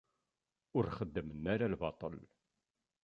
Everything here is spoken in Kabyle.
Ur xeddmen ara lbaṭel.